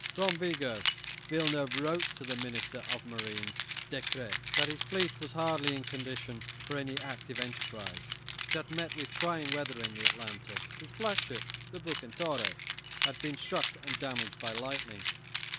From Vigo, Villeneuve wrote to the Minister of Marine, Decrès, that his fleet was hardly in condition for any active enterprise. It had met with trying weather in the Atlantic. His flagship, the "Bucentaure," had been struck and damaged by lightning.